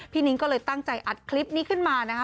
นิ้งก็เลยตั้งใจอัดคลิปนี้ขึ้นมานะคะ